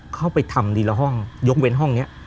เข้าไปทำทีละห้องยกเว้นห้องนี้